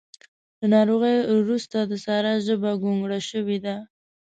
له ناروغۍ روسته د سارا ژبه ګانګوړه شوې ده.